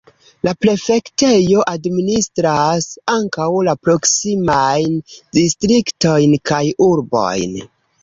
La prefektejo administras ankaŭ la proksimajn distriktojn kaj urbojn.